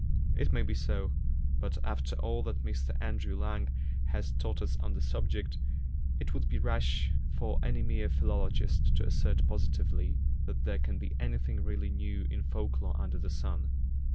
It may be so, but, after all that Mr Andrew Lang has taught us on the subject, it would be rash for any mere philologist to assert positively that there can be anything really new in folk lore under the sun.